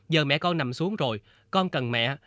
giờ mẹ con nằm xuống rồi con cần mẹ